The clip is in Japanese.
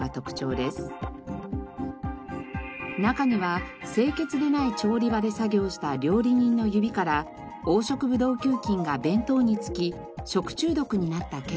中には清潔でない調理場で作業した料理人の指から黄色ブドウ球菌が弁当につき食中毒になったケースも。